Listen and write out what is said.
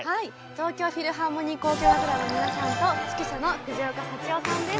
東京フィルハーモニー交響楽団の皆さんと指揮者の藤岡幸夫さんです。